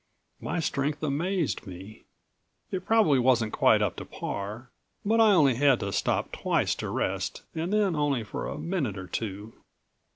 My strength amazed me. It probably wasn't quite up to par. But I only had to stop twice to rest and then only for a minute or two.